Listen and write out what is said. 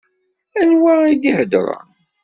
Anwa i d-iheḍṛen?